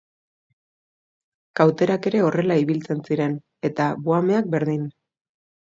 Kauterak ere horrela ibiltzen ziren, eta buhameak berdin!